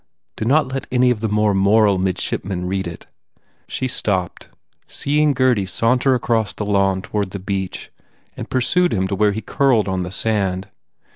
Do not let any of the more moral mid shipmen read it." She stopped, seeing Gurdy saunter across the lawn toward the beach and pur sued him to where he curled on the sand.